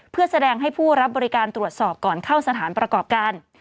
เพื่อแสดงให้ผู้รับบริการตรวจสอบก่อนเข้าสถานประกอบการ